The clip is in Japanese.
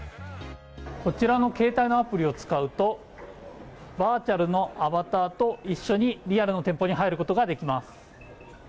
こちらの携帯のアプリを使うとバーチャルのアバターと一緒にリアルの店舗に入ることができます。